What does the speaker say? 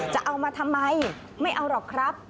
จะเอามาทำไมไม่เอาหรอกครับ